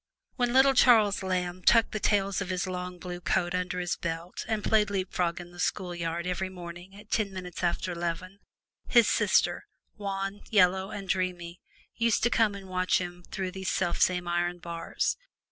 When little Charles Lamb tucked the tails of his long blue coat under his belt and played leap frog in the school yard every morning at ten minutes after 'leven, his sister, wan, yellow and dreamy, used to come and watch him through these selfsame iron bars.